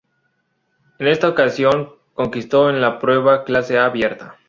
En esta ocasión, conquistó en la prueba clase A abierta.